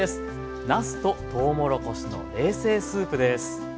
「なすととうもろこしの冷製スープ」です。